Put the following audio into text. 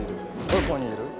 どこにいる？